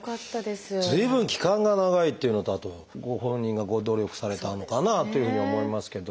随分期間が長いっていうのとあとご本人が努力されたのかなというふうに思いますけど。